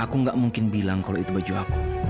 aku gak mungkin bilang kalau itu baju aku